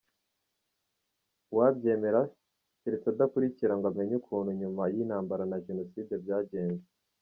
Uwabyemera, keretse adakurikira ngo amenye ukuntu nyuma y’intambara na jenoside byagenze.